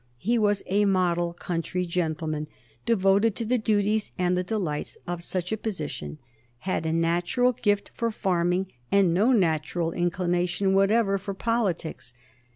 He was a model country gentleman, devoted to the duties and the delights of such a position; had a natural gift for farming and no natural inclination whatever for politics.